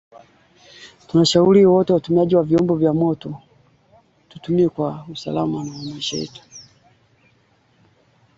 Mwongozo huu utatumiwa kuwapa mafunzo wafugaji wa eneo kutoa taarifa za magonjwa